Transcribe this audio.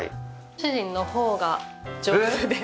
主人の方が上手です。